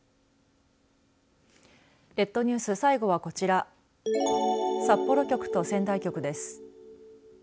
列島ニュース、最後はこちら札幌局と仙台局です。